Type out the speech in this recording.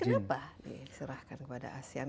kenapa diserahkan kepada asean